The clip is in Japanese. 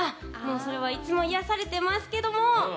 それはいつも癒やされてますけども。